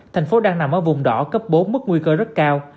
thành phố đang nằm ở vùng đỏ cấp bốn mức nguy cơ rất cao